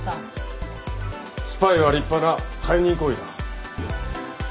スパイは立派な背任行為だ。